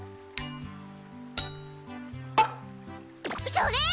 それ！